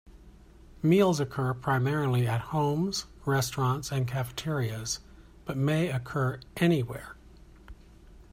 Meals occur primarily at homes, restaurants, and cafeterias, but may occur anywhere.